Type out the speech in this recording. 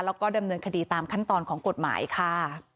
แล้วก็ดำเนินคดีตามขั้นตอนของกฎหมายค่ะ